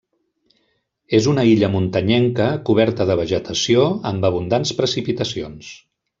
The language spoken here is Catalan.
És una illa muntanyenca, coberta de vegetació, amb abundants precipitacions.